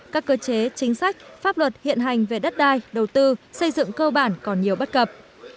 các cơ chế chính sách pháp luật hiện hành về đất đai đầu tư xây dựng cơ bản còn nhiều bất cập